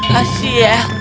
ya saya tidak tahu